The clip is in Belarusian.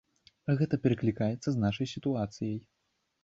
Гэта пераклікаецца з нашай сітуацыяй.